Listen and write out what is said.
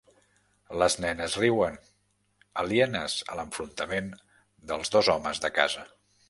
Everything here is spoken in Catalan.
Les nenes riuen, alienes a l'enfrontament dels dos homes de casa.